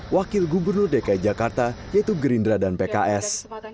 wakil gubernur dki jakarta yaitu gerindra dan pks